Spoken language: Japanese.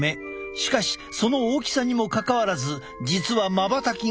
しかしその大きさにもかかわらず実はまばたきがとても少ない。